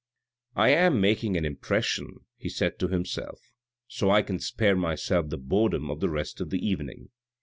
" I am making an impression," he said to himself, " so I can spare myself the boredom of the rest of the evening."